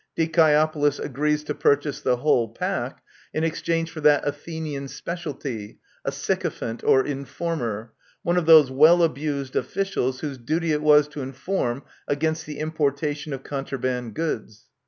Dicaeopolis agrees to purchase the whole pack, in exchange for that Athenian specialty, a " sycophant " or informer — one of those well abused officials whose duty it was to inform against the importation of contraband goods.